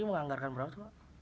jadi menganggarkan berapa pak